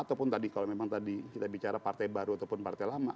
ataupun tadi kalau memang tadi kita bicara partai baru ataupun partai lama